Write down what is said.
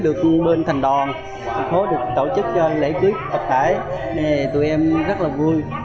được bên thành đoàn thành phố được tổ chức cho lễ cưới tập thể tụi em rất là vui